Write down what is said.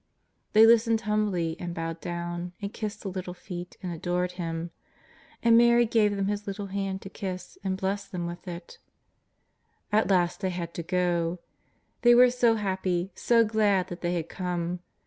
They lis tened humbly, and bowed down, and kissed the little feet, and adored Him. And Mary gave them His lit tle hand to kiss and blessed them with it. At last they had to go. They were so happy, so glad that they had come.